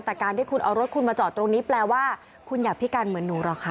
แต่การที่คุณเอารถคุณมาจอดตรงนี้แปลว่าคุณอย่าพิการเหมือนหนูหรอคะ